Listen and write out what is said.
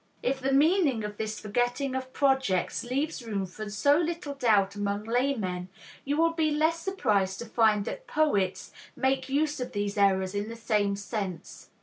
If the meaning of this forgetting of projects leaves room for so little doubt among laymen, you will be less surprised to find that poets make use of these errors in the same sense.